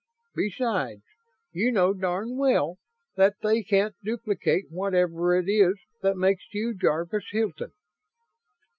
Besides, you know darn well that they can't duplicate whatever it is that makes you Jarvis Hilton."